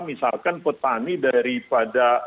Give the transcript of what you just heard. misalkan petani daripada